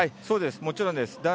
そうです、もちろんです。